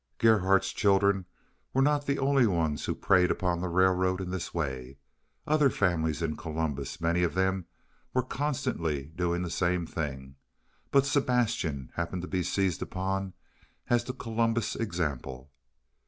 Gerhardt's children were not the only ones who preyed upon the railroad in this way. Other families in Columbus—many of them—were constantly doing the same thing, but Sebastian happened to be seized upon as the Columbus example.